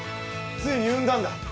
ついに産んだんだ！